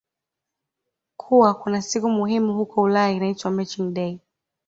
kuwa kunasiku muhimu huko Ulaya inaitwa marching day